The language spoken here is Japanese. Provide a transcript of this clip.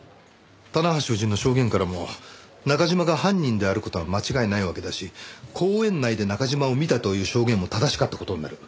棚橋夫人の証言からも中嶋が犯人である事は間違いないわけだし公園内で中嶋を見たという証言も正しかった事になる。